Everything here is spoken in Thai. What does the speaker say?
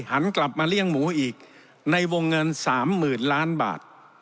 หันกลับมาเลี้ยงหมูอีกในวงเงิน๓๐๐๐ล้านบาท